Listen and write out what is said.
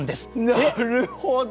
なるほど！